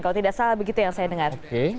kalau tidak salah begitu yang saya dengar